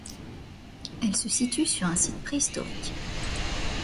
Elle se situe sur un site préhistorique.